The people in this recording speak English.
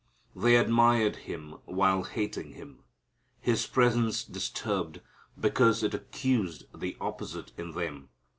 They admired Him while hating Him. His presence disturbed because it accused the opposite in them.